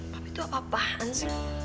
tapi itu apaan sih